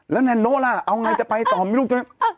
แล้วแนนโน่ล่ะเอาไงจะไปต่อไม่รู้จะ